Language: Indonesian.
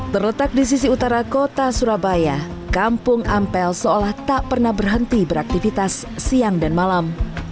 terletak di sisi utara kota surabaya kampung ampel seolah tak pernah berhenti beraktivitas siang dan malam